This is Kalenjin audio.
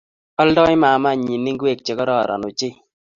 Oldoi mamaenyi ingwek chegororon ochei